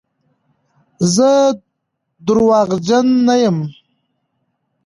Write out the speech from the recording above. زه درواغجن نه یم.